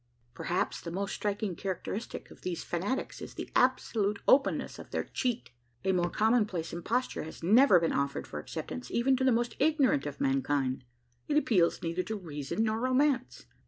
Perhaps the most striking characteristic of these fanatics is the absolute openness of their cheat. A more commonplace imposture has never been offered for acceptance, even to the most ignorant of mankind. It appeals neither to reason nor romance.